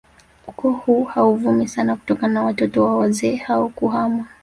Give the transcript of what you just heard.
Ukoo huu hauvumi sana kutokana na watoto wa wazee hao kuhama